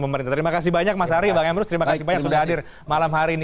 terima kasih banyak mas ari bang emrus terima kasih banyak sudah hadir malam hari ini